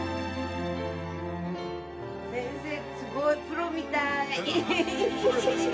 先生すごいプロみたい。